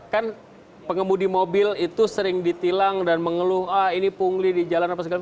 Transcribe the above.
kan pengemudi mobil itu sering ditilang dan mengeluh ah ini pungli di jalan apa segala macam